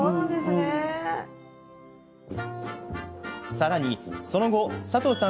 さらに、その後、佐藤さん